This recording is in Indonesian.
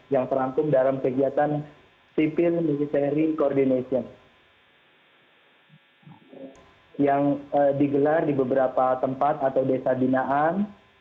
yang terangkum dalam kegiatan sipil military coordination yang digelar di beberapa tempat atau desa binaan